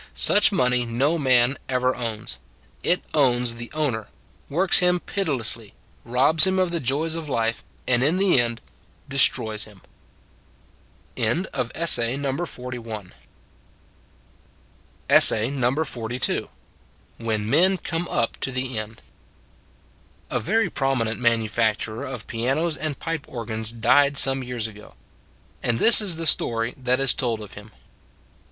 Such money no man ever owns: it owns the owner, works him pitilessly, robs him of the joys of life, and in the end destroys him. WHEN MEN COME UP TO THE END A VERY prominent manufacturer of pianos and pipe organs died some years ago. And this is the story that is told of him.